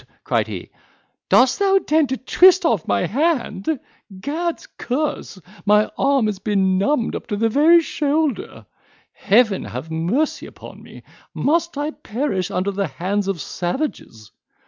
cried he, "dost thou intend to twist off my hand? Gad's curse! my arm is benumbed up to the very shoulder! Heaven have mercy upon me! must I perish under the hands of savages?